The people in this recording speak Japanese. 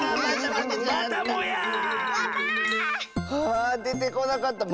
あでてこなかった！